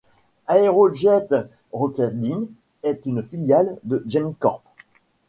Aerojet Rocketdyne est une filiale de GenCorp.